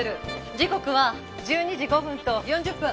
時刻は１２時５分と４０分。